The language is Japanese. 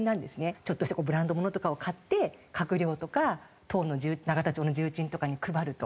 ちょっとしたブランド物とかを買って閣僚とか党の永田町の重鎮とかに配ると。